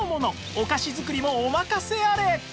お菓子作りもお任せあれ！